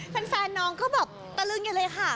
เพื่อนน้องก็แบบตรึงนี่เลยค่ะ